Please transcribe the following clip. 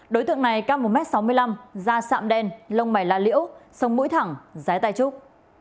đối tượng này cao một m sáu mươi năm da sạm đen lông mảy la liễu sông mũi thẳng rái tay trúc